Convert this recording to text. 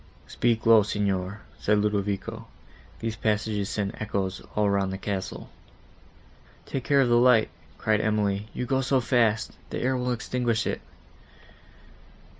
"Speak low, Signor," said Ludovico, "these passages send echoes all round the castle." "Take care of the light," cried Emily, "you go so fast, that the air will extinguish it."